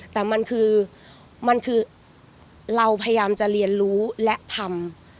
แต่มันคือมันคือเราพยายามจะเรียนรู้และทำ